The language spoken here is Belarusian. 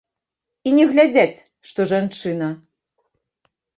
І не глядзяць, што жанчына.